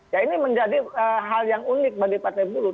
ya ini menjadi hal yang unik bagi partai buruh